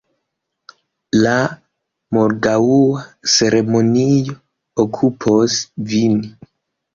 La morgaŭa ceremonio okupos vin.